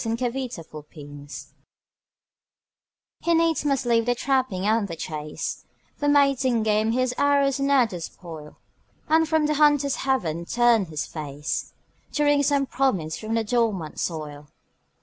THE INDIAN CORN PLANTER He needs must leave the trapping and the chase, For mating game his arrows ne'er despoil, And from the hunter's heaven turn his face, To wring some promise from the dormant soil.